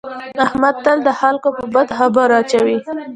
احمد تل د خلکو په بدو خاورې اچوي.